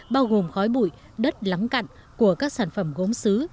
bao gồm khói bụi đất lắng cặn của các sản phẩm gốm xứ